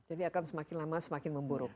jadi akan semakin lama semakin memburuk